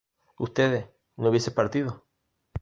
¿Ustedes no hubieses partido?